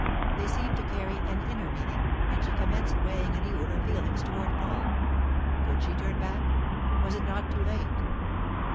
They seemed to carry an inner meaning, and she commenced weighing anew her feelings toward Paul. Could she turn back? Was it not too late?